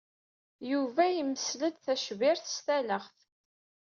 Yuba yemsel-d tacbirt s talaɣt.